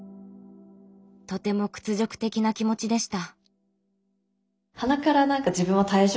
とても屈辱的な気持ちでした。